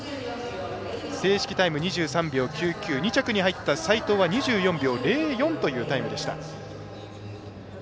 正式タイム２３秒９９２着に入った齋藤は２４秒０４というタイムでした。